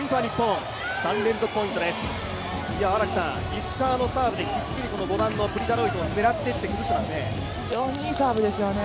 石川のサーブできっちり５番のプリ・ダロイトを狙っていって、崩していますね。